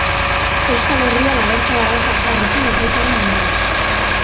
Euskal Herrian alerta laranja ezarri zen ekaitzaren ondorioz.